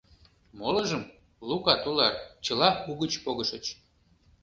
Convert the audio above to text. Молыжым, Лука тулар, чыла угыч погышыч.